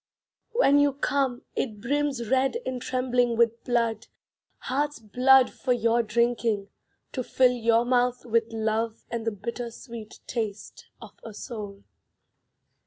When you come, it brims Red and trembling with blood, Heart's blood for your drinking; To fill your mouth with love And the bitter sweet taste of a soul.